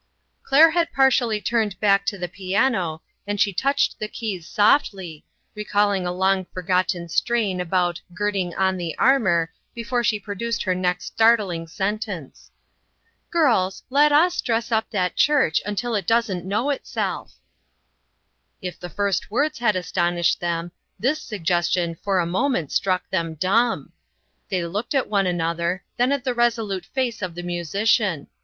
Claire had partially turned back to the piano, and she touched the keys softly, re calling a long forgotten strain about " Gird ing on the armor," before she produced her next startling sentence. " Girls, let us dress up that church until it doesn't know itself." If the first words had astonished them, this suggestion for a moment struck them dumb. They looked at one another, then at the resolute face 01 the musician.